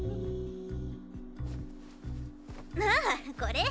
ああこれ？